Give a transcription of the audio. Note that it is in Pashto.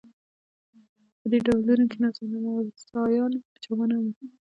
په دې ډلو کې ناراضیان او مجرمان هم وو.